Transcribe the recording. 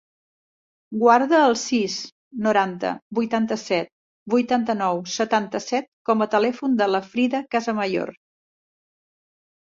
Guarda el sis, noranta, vuitanta-set, vuitanta-nou, setanta-set com a telèfon de la Frida Casamayor.